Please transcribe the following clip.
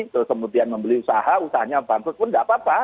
terus kemudian membeli usaha usahanya bagus pun tidak apa apa